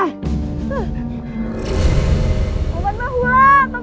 sayang kamu mau kemana